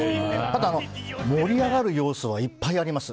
ただ、盛り上がる要素はいっぱいあります。